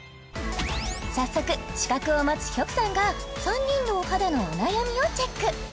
早速資格を持つＨｙｕｋさんが３人のお肌のお悩みをチェック